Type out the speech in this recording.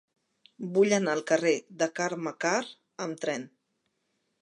Vull anar al carrer de Carme Karr amb tren.